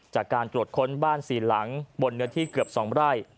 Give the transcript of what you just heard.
จากการตรวจค้นบ้าน๔หลังบนเนื้อที่เกือบ๒ไร่